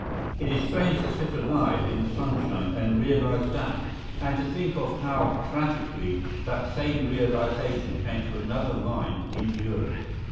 It is strange to sit alive in the sunshine and realise that, and to think of how tragically that same realisation came to another mind in Europe.